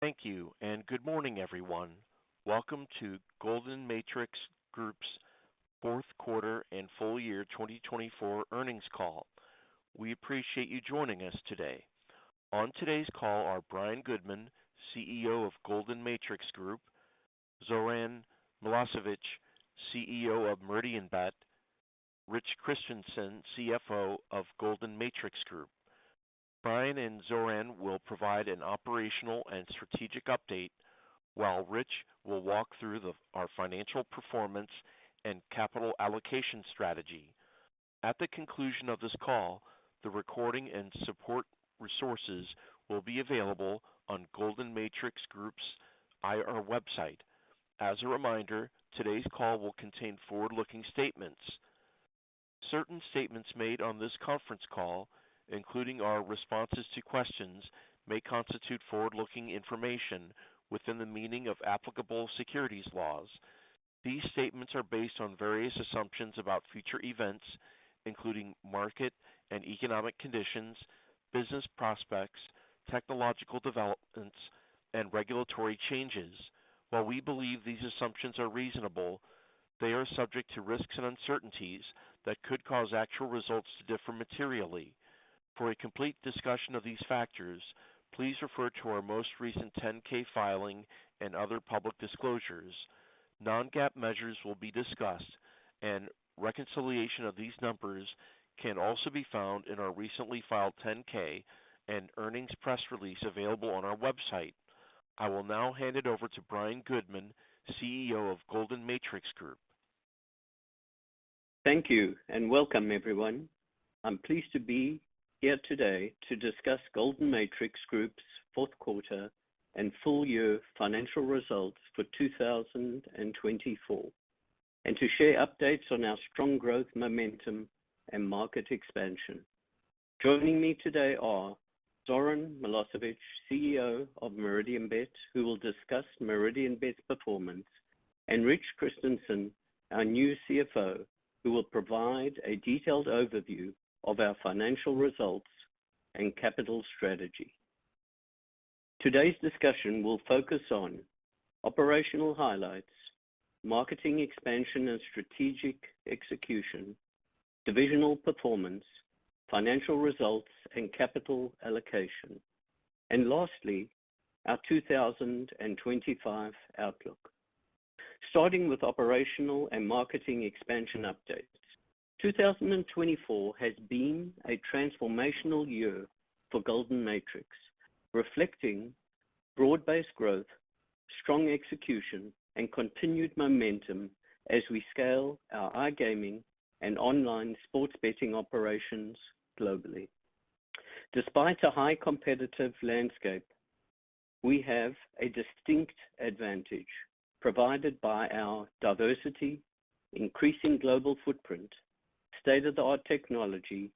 Thank you, and good morning, everyone. Welcome to Golden Matrix Group's Fourth Quarter and Full Year 2024 Earnings Call. We appreciate you joining us today. On today's call are Brian Goodman, CEO of Golden Matrix Group; Zoran Milošević, CEO of Meridianbet; Rich Christensen, CFO of Golden Matrix Group. Brian and Zoran will provide an operational and strategic update, while Rich will walk through our financial performance and capital allocation strategy. At the conclusion of this call, the recording and support resources will be available on Golden Matrix Group's IR website. As a reminder, today's call will contain forward-looking statements. Certain statements made on this conference call, including our responses to questions, may constitute forward-looking information within the meaning of applicable securities laws. These statements are based on various assumptions about future events, including market and economic conditions, business prospects, technological developments, and regulatory changes. While we believe these assumptions are reasonable, they are subject to risks and uncertainties that could cause actual results to differ materially. For a complete discussion of these factors, please refer to our most recent 10-K filing and other public disclosures. Non-GAAP measures will be discussed, and reconciliation of these numbers can also be found in our recently filed 10-K and earnings press release available on our website. I will now hand it over to Brian Goodman, CEO of Golden Matrix Group. Thank you, and welcome, everyone. I'm pleased to be here today to discuss Golden Matrix Group's fourth quarter and full year financial results for 2024, and to share updates on our strong growth momentum and market expansion. Joining me today are Zoran Milošević, CEO of Meridianbet, who will discuss Meridianbet's performance, and Rich Christensen, our new CFO, who will provide a detailed overview of our financial results and capital strategy. Today's discussion will focus on operational highlights, marketing expansion and strategic execution, divisional performance, financial results, and capital allocation, and lastly, our 2025 outlook. Starting with operational and marketing expansion updates, 2024 has been a transformational year for Golden Matrix, reflecting broad-based growth, strong execution, and continued momentum as we scale our iGaming and online sports betting operations globally. Despite a high competitive landscape, we have a distinct advantage provided by our diversity, increasing global footprint, state-of-the-art technology,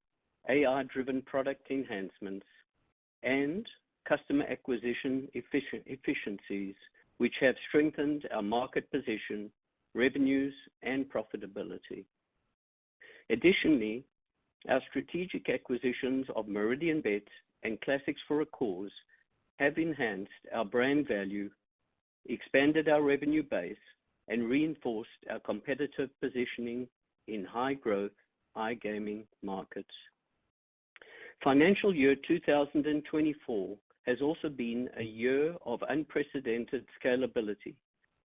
AI-driven product enhancements, and customer acquisition efficiencies, which have strengthened our market position, revenues, and profitability. Additionally, our strategic acquisitions of Meridianbet and Classics for a Cause have enhanced our brand value, expanded our revenue base, and reinforced our competitive positioning in high-growth iGaming markets. Financial year 2024 has also been a year of unprecedented scalability,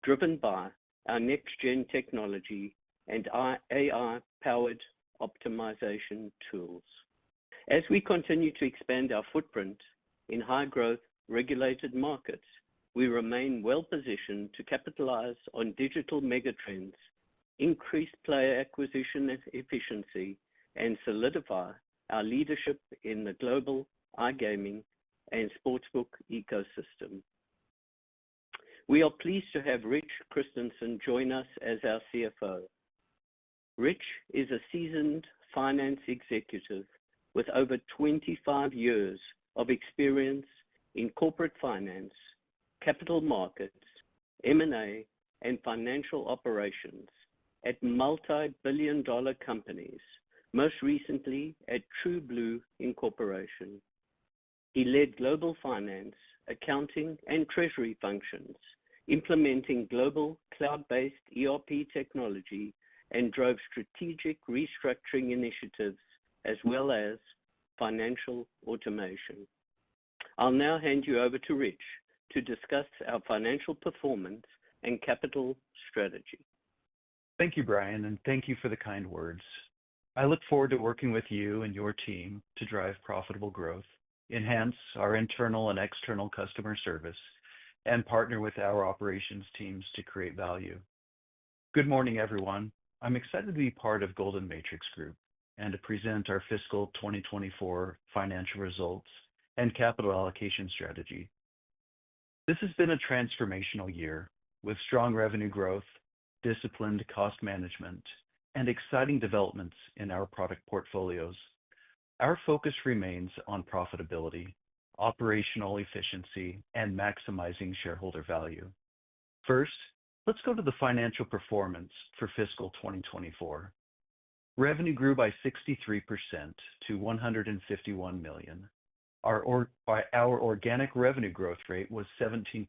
driven by our next-gen technology and AI-powered optimization tools. As we continue to expand our footprint in high-growth regulated markets, we remain well-positioned to capitalize on digital megatrends, increase player acquisition efficiency, and solidify our leadership in the global iGaming and sportsbook ecosystem. We are pleased to have Rich Christensen join us as our CFO. Rich is a seasoned finance executive with over 25 years of experience in corporate finance, capital markets, M&A, and financial operations at multi-billion dollar companies, most recently at TrueBlue Incorporation. He led global finance, accounting, and treasury functions, implementing global cloud-based ERP technology, and drove strategic restructuring initiatives as well as financial automation. I'll now hand you over to Rich to discuss our financial performance and capital strategy. Thank you, Brian, and thank you for the kind words. I look forward to working with you and your team to drive profitable growth, enhance our internal and external customer service, and partner with our operations teams to create value. Good morning, everyone. I'm excited to be part of Golden Matrix Group and to present our fiscal 2024 financial results and capital allocation strategy. This has been a transformational year with strong revenue growth, disciplined cost management, and exciting developments in our product portfolios. Our focus remains on profitability, operational efficiency, and maximizing shareholder value. First, let's go to the financial performance for fiscal 2024. Revenue grew by 63% to $151 million. Our organic revenue growth rate was 17%,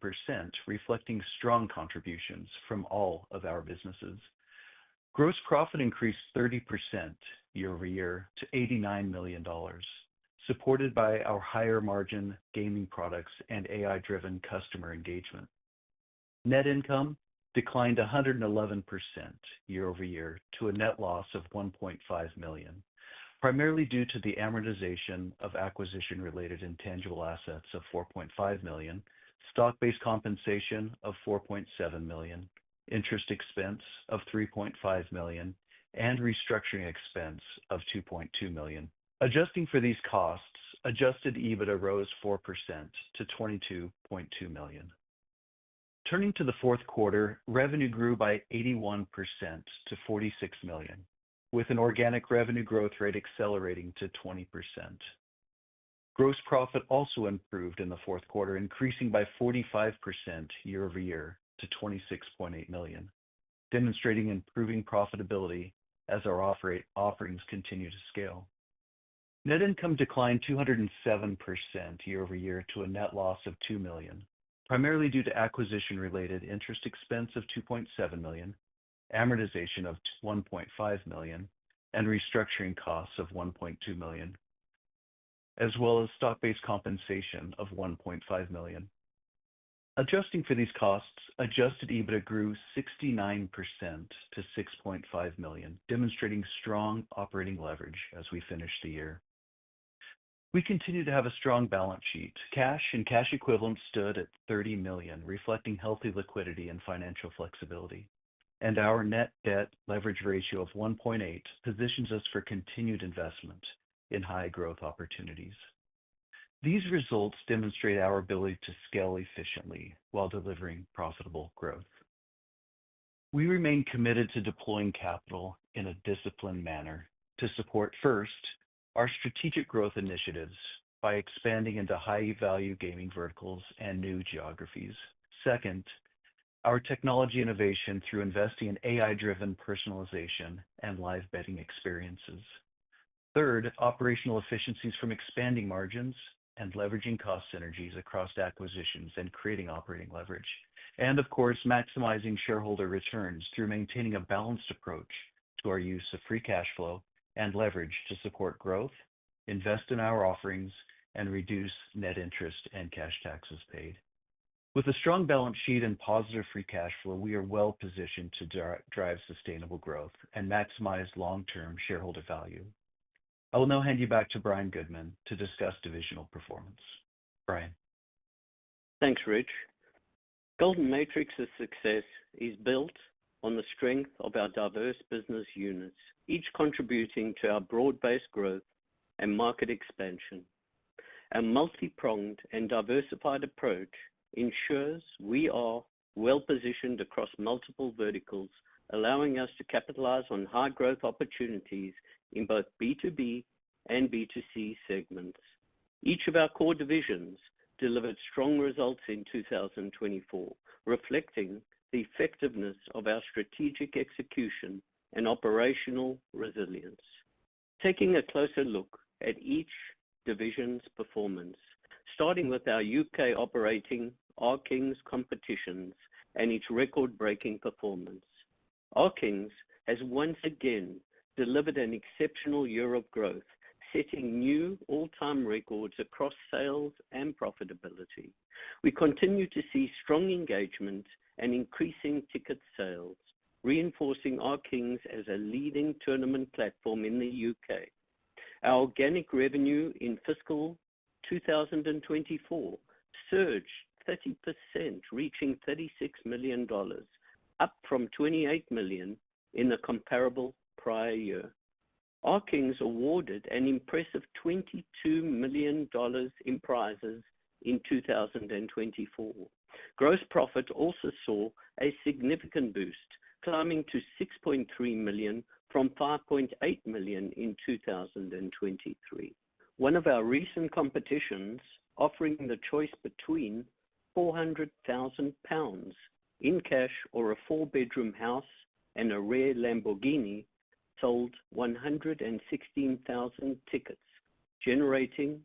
reflecting strong contributions from all of our businesses. Gross profit increased 30% year-over-year to $89 million, supported by our higher margin gaming products and AI-driven customer engagement. Net income declined 111% year-over-year to a net loss of $1.5 million, primarily due to the amortization of acquisition-related intangible assets of $4.5 million, stock-based compensation of $4.7 million, interest expense of $3.5 million, and restructuring expense of $2.2 million. Adjusting for these costs, Adjusted EBITDA rose 4% to $22.2 million. Turning to the fourth quarter, revenue grew by 81% to $46 million, with an organic revenue growth rate accelerating to 20%. Gross profit also improved in the fourth quarter, increasing by 45% year-over-year to $26.8 million, demonstrating improving profitability as our offerings continue to scale. Net income declined 207% year-over-year to a net loss of $2 million, primarily due to acquisition-related interest expense of $2.7 million, amortization of $1.5 million, and restructuring costs of $1.2 million, as well as stock-based compensation of $1.5 million. Adjusting for these costs, Adjusted EBITDA grew 69% to $6.5 million, demonstrating strong operating leverage as we finished the year. We continue to have a strong balance sheet. Cash and cash equivalents stood at $30 million, reflecting healthy liquidity and financial flexibility, and our net debt leverage ratio of 1.8 positions us for continued investment in high-growth opportunities. These results demonstrate our ability to scale efficiently while delivering profitable growth. We remain committed to deploying capital in a disciplined manner to support, first, our strategic growth initiatives by expanding into high-value gaming verticals and new geographies. Second, our technology innovation through investing in AI-driven personalization and live betting experiences. Third, operational efficiencies from expanding margins and leveraging cost synergies across acquisitions and creating operating leverage. Of course, maximizing shareholder returns through maintaining a balanced approach to our use of free cash flow and leverage to support growth, invest in our offerings, and reduce net interest and cash taxes paid. With a strong balance sheet and positive free cash flow, we are well-positioned to drive sustainable growth and maximize long-term shareholder value. I will now hand you back to Brian Goodman to discuss divisional performance. Brian. Thanks, Rich. Golden Matrix's success is built on the strength of our diverse business units, each contributing to our broad-based growth and market expansion. Our multi-pronged and diversified approach ensures we are well-positioned across multiple verticals, allowing us to capitalize on high-growth opportunities in both B2B and B2C segments. Each of our core divisions delivered strong results in 2024, reflecting the effectiveness of our strategic execution and operational resilience. Taking a closer look at each division's performance, starting with our U.K. operating R Kings Competitions and its record-breaking performance. R Kings Competitions has once again delivered an exceptional year of growth, setting new all-time records across sales and profitability. We continue to see strong engagement and increasing ticket sales, reinforcing R Kings Competitions as a leading tournament platform in the U.K. Our organic revenue in fiscal 2024 surged 30%, reaching $36 million, up from $28 million in a comparable prior year. Competitions awarded an impressive $22 million in prizes in 2024. Gross profit also saw a significant boost, climbing to $6.3 million from $5.8 million in 2023. One of our recent competitions, offering the choice between 400,000 pounds in cash or a four-bedroom house and a rare Lamborghini, sold 116,000 tickets, generating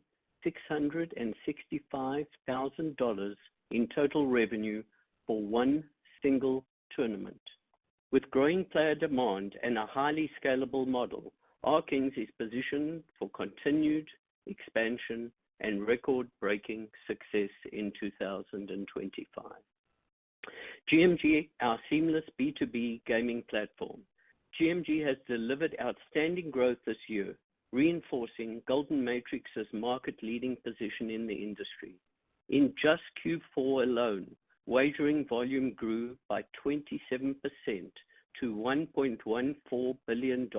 $665,000 in total revenue for one single tournament. With growing player demand and a highly scalable model, R Kings Competitions is positioned for continued expansion and record-breaking success in 2025. GM-AG, our seamless B2B gaming platform, has delivered outstanding growth this year, reinforcing Golden Matrix's market-leading position in the industry. In just Q4 alone, wagering volume grew by 27% to $1.14 billion,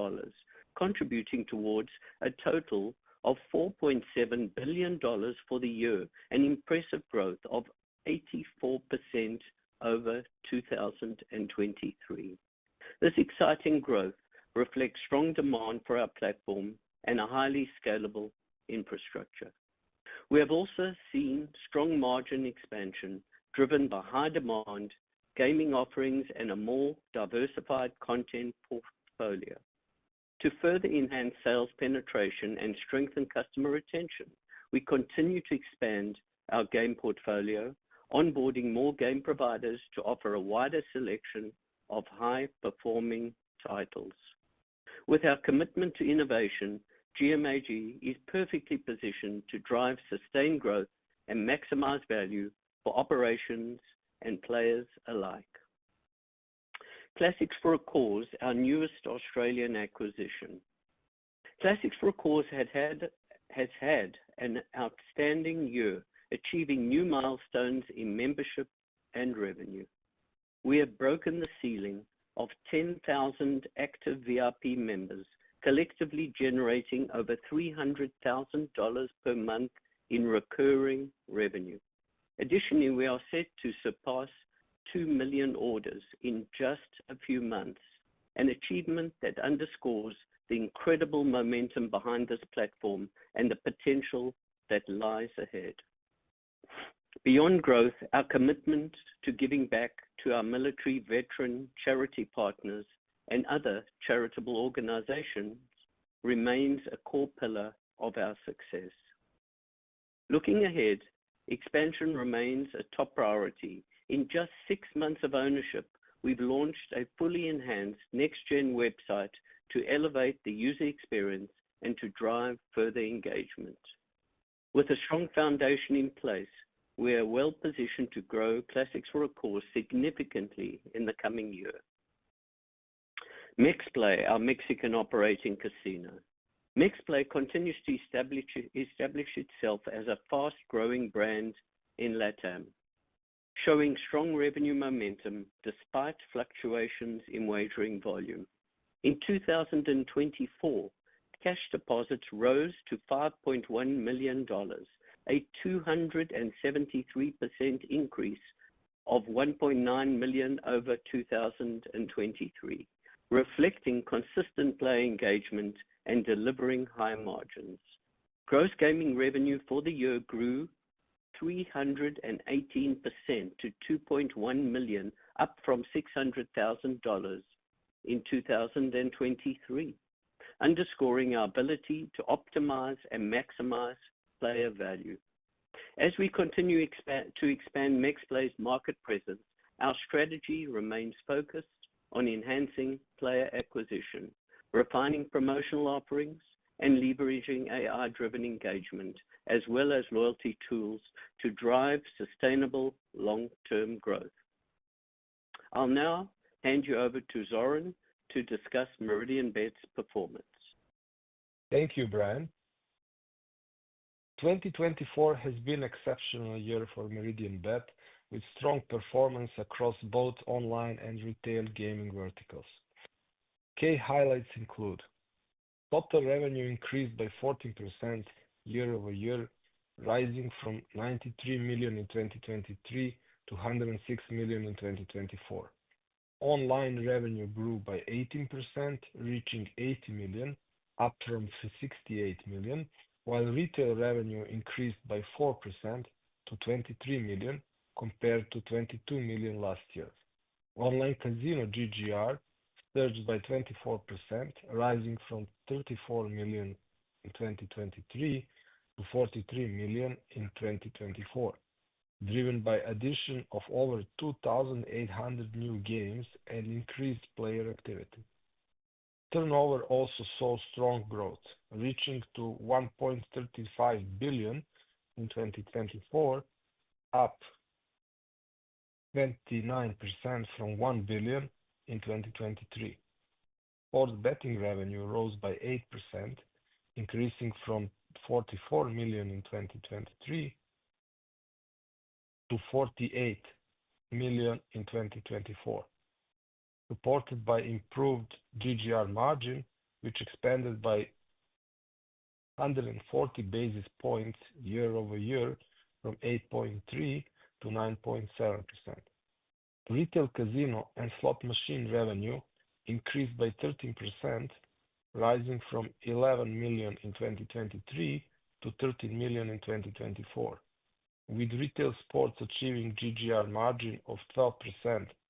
contributing towards a total of $4.7 billion for the year, an impressive growth of 84% over 2023. This exciting growth reflects strong demand for our platform and a highly scalable infrastructure. We have also seen strong margin expansion driven by high demand, gaming offerings, and a more diversified content portfolio. To further enhance sales penetration and strengthen customer retention, we continue to expand our game portfolio, onboarding more game providers to offer a wider selection of high-performing titles. With our commitment to innovation, GM-AG is perfectly positioned to drive sustained growth and maximize value for operations and players alike. Classics For A Cause, our newest Australian acquisition. Classics For A Cause has had an outstanding year, achieving new milestones in membership and revenue. We have broken the ceiling of 10,000 active VIP members, collectively generating over $300,000 per month in recurring revenue. Additionally, we are set to surpass two million orders in just a few months, an achievement that underscores the incredible momentum behind this platform and the potential that lies ahead. Beyond growth, our commitment to giving back to our military veteran charity partners and other charitable organizations remains a core pillar of our success. Looking ahead, expansion remains a top priority. In just six months of ownership, we've launched a fully enhanced next-gen website to elevate the user experience and to drive further engagement. With a strong foundation in place, we are well-positioned to grow Classics for a Cause significantly in the coming year. MexPlay, our Mexican operating casino. MexPlay continues to establish itself as a fast-growing brand in LATAM, showing strong revenue momentum despite fluctuations in wagering volume. In 2024, cash deposits rose to $5.1 million, a 273% increase of $1.9 million over 2023, reflecting consistent player engagement and delivering high margins. Gross gaming revenue for the year grew 318% to $2.1 million, up from $600,000 in 2023, underscoring our ability to optimize and maximize player value. As we continue to expand MexPlay's market presence, our strategy remains focused on enhancing player acquisition, refining promotional offerings, and leveraging AI-driven engagement, as well as loyalty tools to drive sustainable long-term growth. I'll now hand you over to Zoran to discuss Meridianbet's performance. Thank you, Brian. 2024 has been an exceptional year for Meridianbet, with strong performance across both online and retail gaming verticals. Key highlights include total revenue increased by 14% year-over-year, rising from $93 million in 2023 to $106 million in 2024. Online revenue grew by 18%, reaching $80 million, up from $68 million, while retail revenue increased by 4% to $23 million compared to $22 million last year. Online casino GGR surged by 24%, rising from $34 million in 2023 to $43 million in 2024, driven by the addition of over 2,800 new games and increased player activity. Turnover also saw strong growth, reaching $1.35 billion in 2024, up 29% from $1 billion in 2023. Sports betting revenue rose by 8%, increasing from $44 million in 2023 to $48 million in 2024, supported by improved GGR margin, which expanded by 140 basis points year-over-year, from 8.3% to 9.7%. Retail casino and slot machine revenue increased by 13%, rising from $11 million in 2023 to $13 million in 2024, with retail sports achieving GGR margin of 12%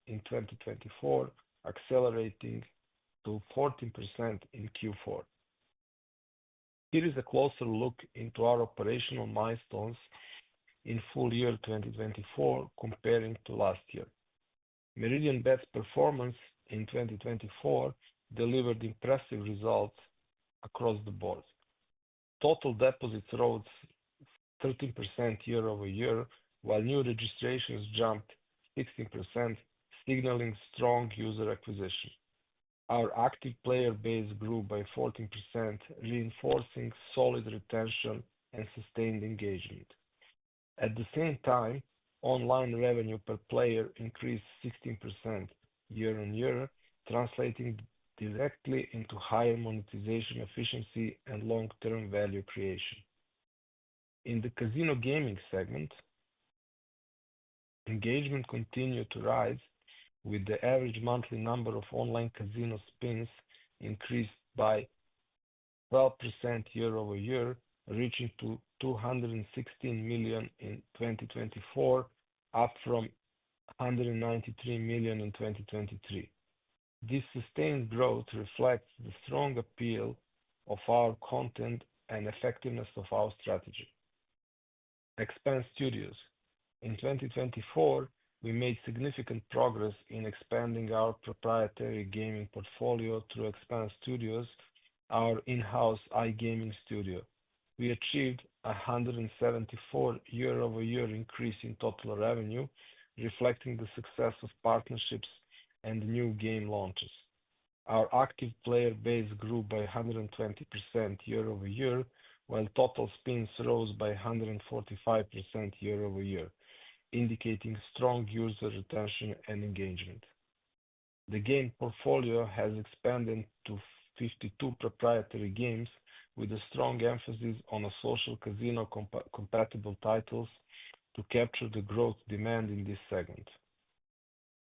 in 2024, accelerating to 14% in Q4. Here is a closer look into our operational milestones in full year 2024, comparing to last year. Meridianbet's performance in 2024 delivered impressive results across the board. Total deposits rose 13% year-over-year, while new registrations jumped 16%, signaling strong user acquisition. Our active player base grew by 14%, reinforcing solid retention and sustained engagement. At the same time, online revenue per player increased 16% year on year, translating directly into higher monetization efficiency and long-term value creation. In the casino gaming segment, engagement continued to rise, with the average monthly number of online casino spins increased by 12% year-over-year, reaching $216 million in 2024, up from $193 million in 2023. This sustained growth reflects the strong appeal of our content and effectiveness of our strategy. Expanse Studios. In 2024, we made significant progress in expanding our proprietary gaming portfolio through Expanse Studios, our in-house iGaming studio. We achieved a $174 year-over-year increase in total revenue, reflecting the success of partnerships and new game launches. Our active player base grew by 120% year-over-year, while total spins rose by 145% year-over-year, indicating strong user retention and engagement. The game portfolio has expanded to 52 proprietary games, with a strong emphasis on social casino-compatible titles to capture the growth demand in this segment.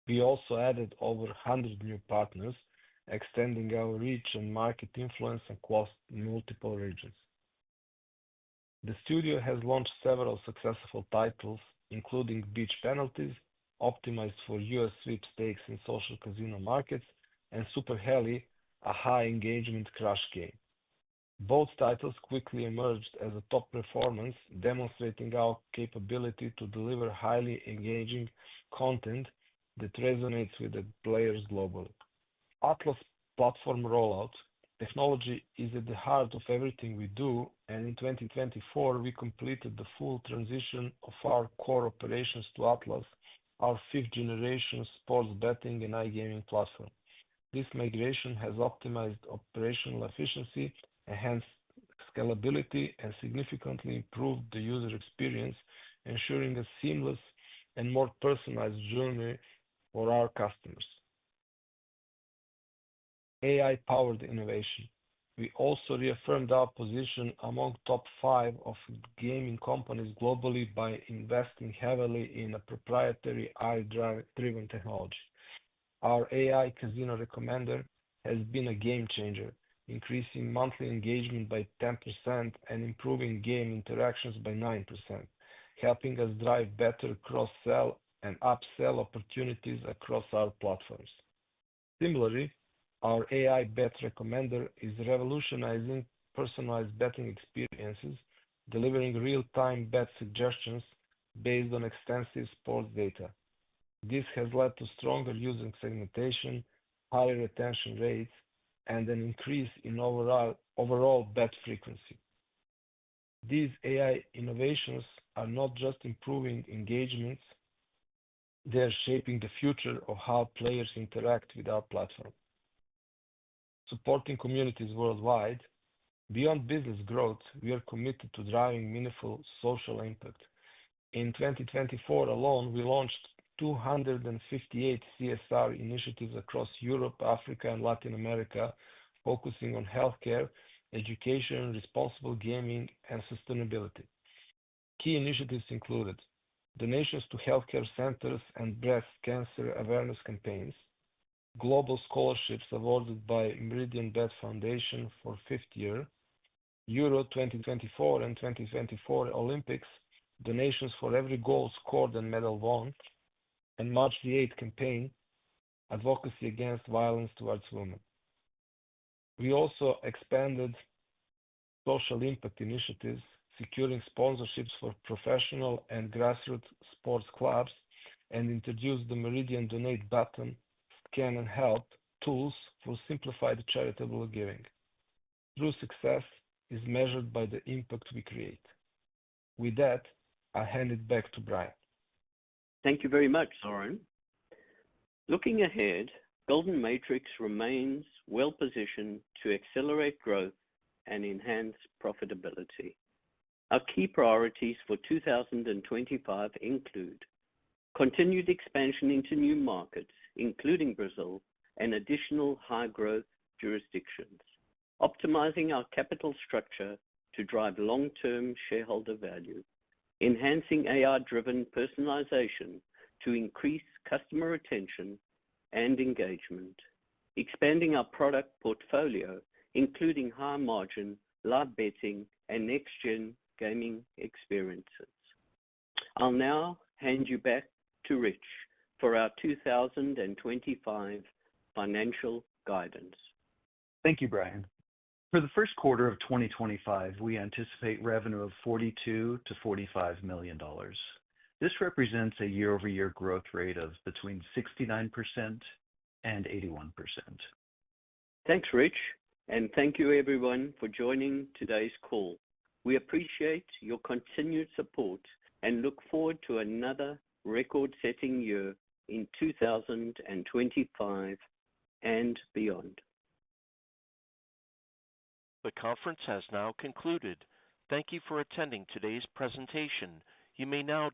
We also added over 100 new partners, extending our reach and market influence across multiple regions. The studio has launched several successful titles, including Beach Penalties, optimized for U.S. sweepstakes in social casino markets, and Super Heli, a high-engagement crash game. Both titles quickly emerged as a top performance, demonstrating our capability to deliver highly engaging content that resonates with players globally. Atlas platform rollout. Technology is at the heart of everything we do, and in 2024, we completed the full transition of our core operations to Atlas, our fifth-generation sports betting and iGaming platform. This migration has optimized operational efficiency, enhanced scalability, and significantly improved the user experience, ensuring a seamless and more personalized journey for our customers. AI-powered innovation. We also reaffirmed our position among top five gaming companies globally by investing heavily in a proprietary AI-driven technology. Our AI Casino Recommender has been a game changer, increasing monthly engagement by 10% and improving game interactions by 9%, helping us drive better cross-sell and up-sell opportunities across our platforms. Similarly, our AI Bet Recommender is revolutionizing personalized betting experiences, delivering real-time bet suggestions based on extensive sports data. This has led to stronger user segmentation, higher retention rates, and an increase in overall bet frequency. These AI innovations are not just improving engagements. They are shaping the future of how players interact with our platform. Supporting communities worldwide. Beyond business growth, we are committed to driving meaningful social impact. In 2024 alone, we launched 258 CSR initiatives across Europe, Africa, and Latin America, focusing on healthcare, education, responsible gaming, and sustainability. Key initiatives included donations to healthcare centers and breast cancer awareness campaigns, global scholarships awarded by Meridianbet Foundation for the fifth year, Euro 2024 and 2024 Olympics, donations for every gold, score, and medal won, and the March 8 campaign, advocacy against violence towards women. We also expanded social impact initiatives, securing sponsorships for professional and grassroots sports clubs, and introduced the Meridian Donate button, scan, and help tools for simplified charitable giving. True success is measured by the impact we create. With that, I hand it back to Brian. Thank you very much, Zoran. Looking ahead, Golden Matrix remains well-positioned to accelerate growth and enhance profitability. Our key priorities for 2025 include continued expansion into new markets, including Brazil, and additional high-growth jurisdictions, optimizing our capital structure to drive long-term shareholder value, enhancing AI-driven personalization to increase customer retention and engagement, and expanding our product portfolio, including high-margin, live betting, and next-gen gaming experiences. I'll now hand you back to Rich for our 2025 financial guidance. Thank you, Brian. For the first quarter of 2025, we anticipate revenue of $42 million-$45 million. This represents a year-over-year growth rate of between 69% and 81%. Thanks, Rich, and thank you, everyone, for joining today's call. We appreciate your continued support and look forward to another record-setting year in 2025 and beyond. The conference has now concluded. Thank you for attending today's presentation. You may now.